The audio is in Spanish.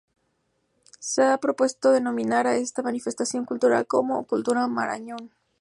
Se ha propuesto denominar a esta manifestación cultural como Cultura Marañón.